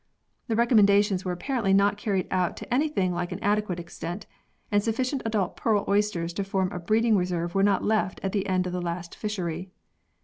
The recommendations were apparently not carried out to anything like an adequate extent ; and sufficient adult pearl oysters to form a breed ing reserve were not left at the end of the last fishery.